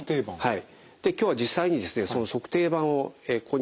はい。